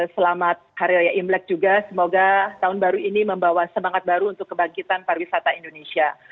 selamat hari raya imlek juga semoga tahun baru ini membawa semangat baru untuk kebangkitan pariwisata indonesia